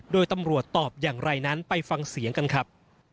โดยตำรวจตอบอย่างไรนั้นไปฟังเสียงกันครับ